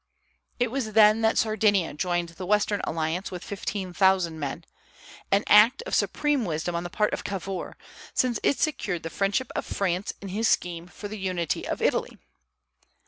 It was then that Sardinia joined the Western Alliance with fifteen thousand men, an act of supreme wisdom on the part of Cavour, since it secured the friendship of France in his scheme for the unity of Italy.